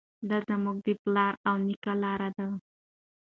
دا زموږ د پلار او نیکه لاره ده.